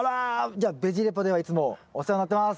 じゃあベジレポではいつもお世話になってます！